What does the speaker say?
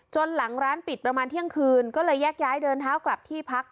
หลังร้านปิดประมาณเที่ยงคืนก็เลยแยกย้ายเดินเท้ากลับที่พัก